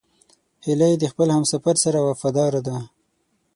هیلۍ د خپل همسفر سره وفاداره ده